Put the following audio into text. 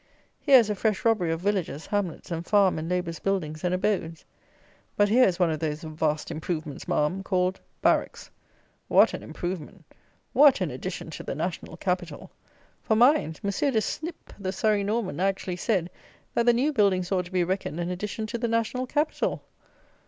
Here is a fresh robbery of villages, hamlets, and farm and labourers' buildings and abodes! But here is one of those "vast improvements, Ma'am," called Barracks. What an "improvement!" What an "addition to the national capital!" For, mind, Monsieur de Snip, the Surrey Norman, actually said, that the new buildings ought to be reckoned an addition to the national capital!